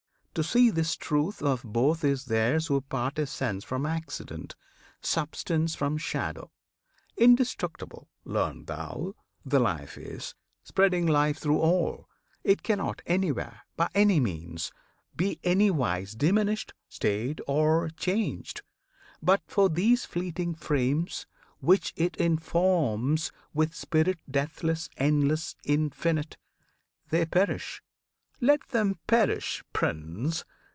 To see this truth of both Is theirs who part essence from accident, Substance from shadow. Indestructible, Learn thou! the Life is, spreading life through all; It cannot anywhere, by any means, Be anywise diminished, stayed, or changed. But for these fleeting frames which it informs With spirit deathless, endless, infinite, They perish. Let them perish, Prince!